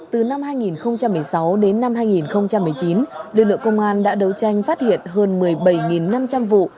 từ năm hai nghìn một mươi sáu đến năm hai nghìn một mươi chín lực lượng công an đã đấu tranh phát hiện hơn một mươi bảy năm trăm linh vụ